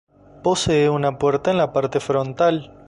Posee una puerta en la parte frontal.